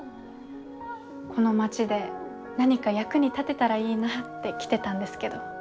この町で何か役に立てたらいいなって来てたんですけど。